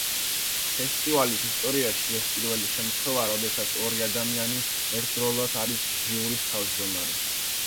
ფესტივალის ისტორიაში ეს პირველი შემთხვევაა, როდესაც ორი ადამიანი ერთდროულად არის ჟიურის თავმჯდომარე.